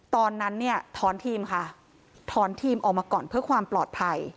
ตอนนั้นเนี่ยถอนทีมค่ะถอนทีมออกมาก่อนเพื่อความปลอดภัย